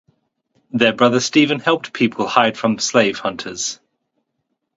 Their brother Stephen helped people hide from slave hunters.